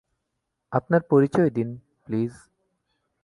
আপনার পরিচয় দিন, প্লিজ।